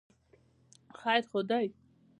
خیر خو دی.